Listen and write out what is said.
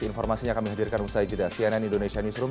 informasinya kami hadirkan usai jeda cnn indonesia newsroom